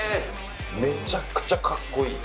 めちゃくちゃかっこいい。